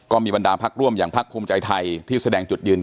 บรรดาพักร่วมอย่างพักภูมิใจไทยที่แสดงจุดยืน